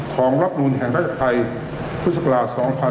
ของรับดูนแห่งราชกันไทยพฤศกษา๒๕๖๐